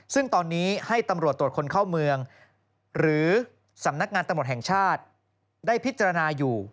ซึ่งตอนนี้ให้ตำรวจตรวจคนเข้าเมืองหรือสำนักงานตำรวจแห่งชาติได้พิจารณาอยู่